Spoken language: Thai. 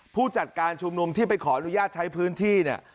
ผู้จัดการชุมนุมที่ไปขออนุญาตใช้พื้นที่เนี่ย